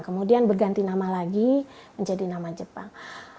kemudian berganti nama lagi menjadi nama jepang